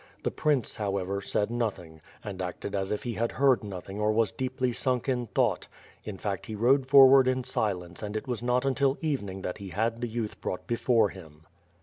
The prince, however, said nothing, and acted as if he had heard nothing or was deeply sunk in thought — in fact he rode forward in silence and it was not until evening that he had the youth brought before him.